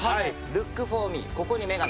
ルック・フォー・ミー。